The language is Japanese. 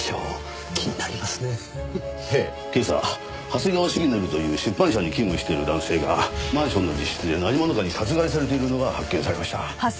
今朝長谷川重徳という出版社に勤務している男性がマンションの自室で何者かに殺害されているのが発見されました。